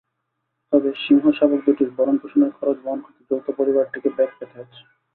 তবে সিংহশাবক দুটির ভরণপোষণের খরচ বহন করতে যৌথ পরিবারটিকে বেগ পেতে হচ্ছে।